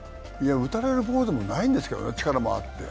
打たれるボールでもないんですけどね、力もあって。